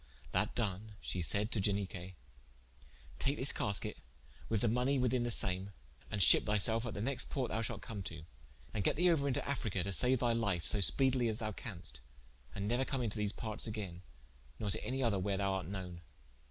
That done she sayd to Ianique: "Take this casket with all the money within the same, and shippe thy selfe at the next port thou shalt come to, and get thee ouer into Africa to saue thy life so spedely as thou canst, and neuer come into these partes again, nor to any other wher thou art knowen."